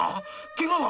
ケガは？